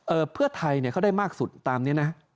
เพื่อไทยเนี่ยเขาได้มากสุดตามนี้นะ